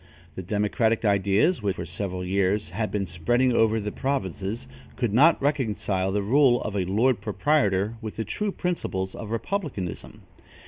The democratic ideas, which, for several years, had been spreading over the provinces, could not reconcile the rule of a lord proprietor with the true principles of republicanism.